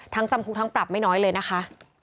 จำคุกทั้งปรับไม่น้อยเลยนะคะ